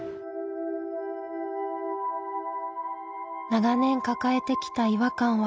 長年抱えてきた違和感は消えた。